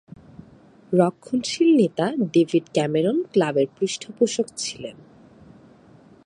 রক্ষণশীল নেতা David Cameron ক্লাবের পৃষ্ঠপোষক ছিলেন।